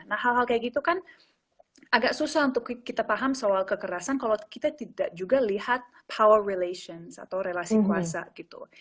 nah hal hal kayak gitu kan agak susah untuk kita paham soal kekerasan kalau kita tidak juga lihat power relations atau relasi kuasa gitu